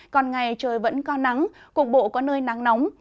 còn ngày trời vẫn có nắng cục bộ có nơi nắng nóng